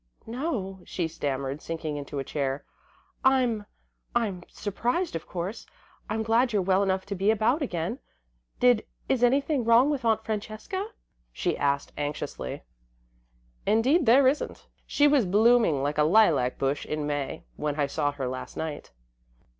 "No," she stammered sinking into a chair. "I'm I'm surprised, of course. I'm glad you're well enough to be about again. Did is anything wrong with Aunt Francesca?" she asked, anxiously. "Indeed there isn't. She was blooming like a lilac bush in May, when I saw her last night."